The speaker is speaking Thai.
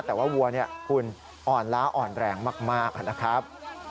แต่ว่าวัวเนี่ยคุณอ่อนล้าอ่อนแรงมากนะครับ